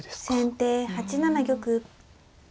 先手８七玉。